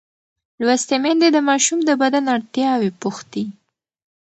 لوستې میندې د ماشوم د بدن اړتیاوې پوښتي.